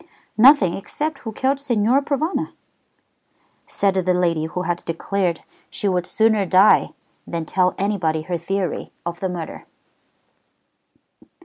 "Nothing except who killed Signor Provana," said the lady who had declared she would sooner die than tell anybody her theory of the murder.